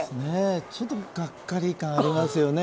ちょっとがっかり感ありますね。